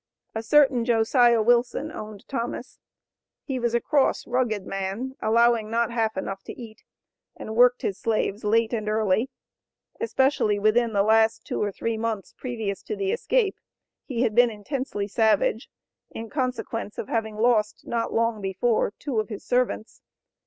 A certain Josiah Wilson owned Thomas. He was a cross, rugged man, allowing not half enough to eat, and worked his slaves late and early. Especially within the last two or three months previous to the escape, he had been intensely savage, in consequence of having lost, not long before, two of his servants.